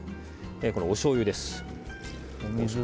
おしょうゆです。